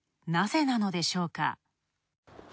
なぜなのでしょうか。